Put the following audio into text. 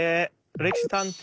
「歴史探偵」